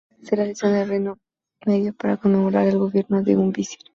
Se realizó en el reino medio para conmemorar el gobierno de un visir.